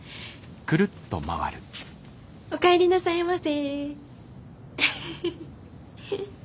おかえりなさいませ。